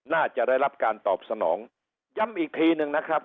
น่าจะได้รับการตอบสนองย้ำอีกทีหนึ่งนะครับ